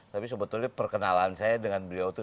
tapi sebetulnya perkenalan saya dengan beliau itu